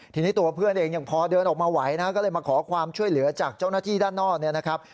ทีนี้ตัวเพื่อนเองยังพอเดินออกมาไหวนะก็เลยมาขอความช่วยเหลือจากเจ้าหน้าที่ด้านนอกเนี่ยนะครับ